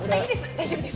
大丈夫です。